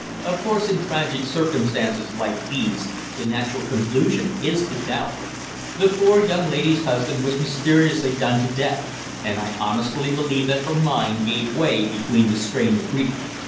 "Of course, in tragic circumstances like these the natural conclusion is to doubt. The poor young lady's husband was mysteriously done to death, and I honestly believe that her mind gave way beneath the strain of grief.